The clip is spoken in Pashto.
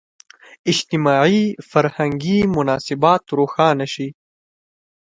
اجتماعي – فرهنګي مناسبات روښانه شي.